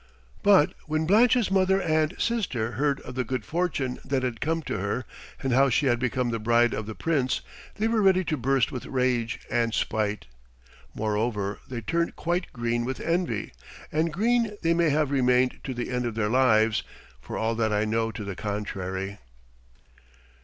But when Blanche's mother and sister heard of the good fortune that had come to her, and how she had become the bride of the Prince, they were ready to burst with rage and spite. Moreover they turned quite green with envy, and green they may have remained to the end of their lives, for all that I know to the contrary.